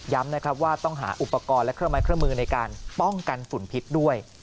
นะครับว่าต้องหาอุปกรณ์และเครื่องไม้เครื่องมือในการป้องกันฝุ่นพิษด้วย